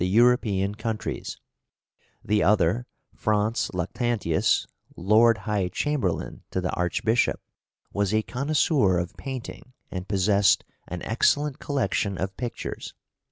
} (333) European countries; the other, Franz Lactantius, Lord High Chamberlain to the Archbishop, was a connoisseur of painting and possessed an excellent collection of pictures.